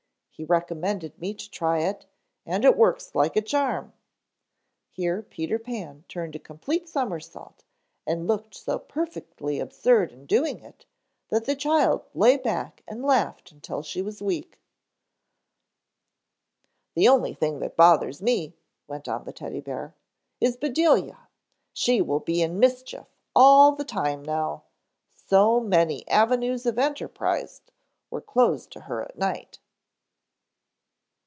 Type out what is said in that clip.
He recommended me to try it and it works like a charm." Here Peter Pan turned a complete somersault and looked so perfectly absurd in doing it that the child lay back and laughed until she was weak. "The only thing that bothers me," went on the Teddy bear, "is Bedelia. She will be in mischief all the time now. So many avenues of enterprise were closed to her at night."